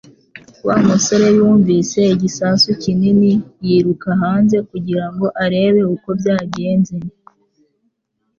Wa musore yumvise igisasu kinini yiruka hanze kugira ngo arebe uko byagenze